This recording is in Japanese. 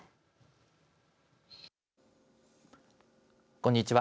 こんにちは。